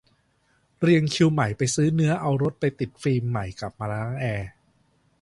เรียงคิวใหม่ไปซื้อเนื้อเอารถไปติดฟิล์มใหม่กลับมาล้างแอร์